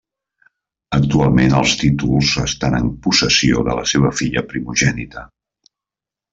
Actualment els títols estan en possessió de la seva filla primogènita.